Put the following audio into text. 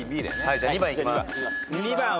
じゃ２番いきます。